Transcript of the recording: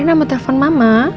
rena mau telepon mama